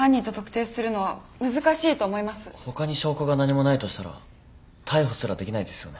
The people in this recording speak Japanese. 他に証拠が何もないとしたら逮捕すらできないですよね。